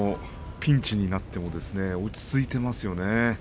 ピンチになっても落ち着いてますよね。